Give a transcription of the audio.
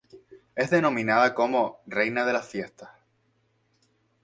Es denominada como ""Reina de las Fiestas"".